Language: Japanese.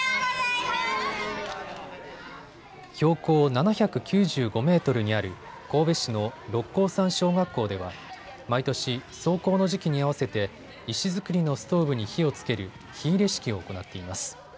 標高７９５メートルにある神戸市の六甲山小学校では毎年、霜降の時期に合わせて石造りのストーブに火をつける火入れ式を行っています。